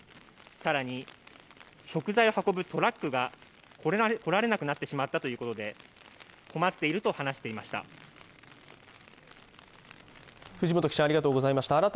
更に、食材を運ぶトラックが来られなくなってしまったということで困っていると話していました。